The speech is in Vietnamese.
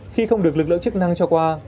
khi không được lực lượng chức năng cho qua